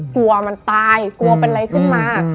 กลัวมันตายกลัวเป็นอะไรขึ้นมา